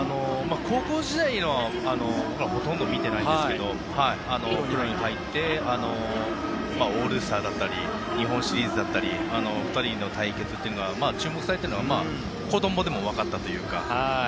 高校時代はほとんど見ていないんですけどプロに入ってオールスターだったり日本シリーズだったり２人の対決というのが注目されているのは子供でも分かったというか。